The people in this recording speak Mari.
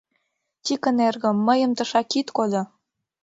Тикын эргым, мыйым тышак ит кодо!..